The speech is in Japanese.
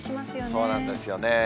そうなんですよね。